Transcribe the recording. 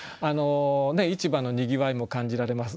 市場のにぎわいも感じられます。